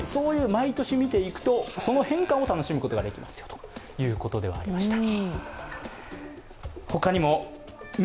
毎年見ていくとその変化も楽しむことができますということでありました。